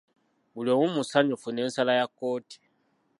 Buli omu musanyufu n'ensala ya kkooti.